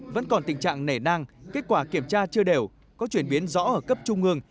vẫn còn tình trạng nể nang kết quả kiểm tra chưa đều có chuyển biến rõ ở cấp trung ương